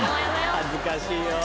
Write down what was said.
恥ずかしいよ。